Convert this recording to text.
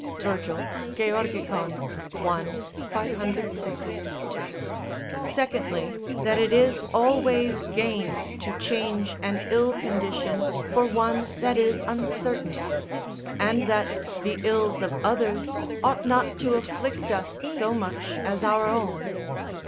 Virgil, Georg., i. 506.] secondly, that it is always gain to change an ill condition for one that is uncertain; and that the ills of others ought not to afflict us so much as our own.